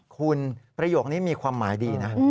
คุณประโยคนี้มีความหมายดีนะ